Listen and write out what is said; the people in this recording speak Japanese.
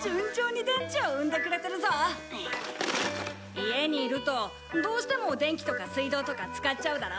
家にいるとどうしても電気とか水道とか使っちゃうだろ？